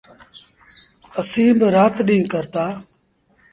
اسيٚݩ با رآت ڏيٚݩهݩ ڪرتآ۔۔